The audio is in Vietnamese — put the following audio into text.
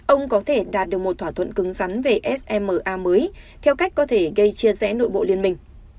ông có thể đạt được một thỏa thuận cứng rắn về sma mới theo cách có thể gây chia rẽ nội bộ liên minh